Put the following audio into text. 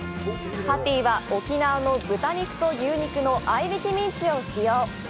パティは沖縄の豚肉と牛肉の合びきミンチを使用。